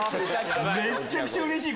めちゃくちゃうれしい！